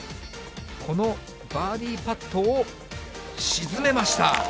このバーディーパットを沈めました。